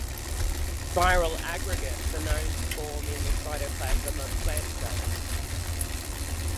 Viral aggregates are known to form in the cytoplasm of plant cells.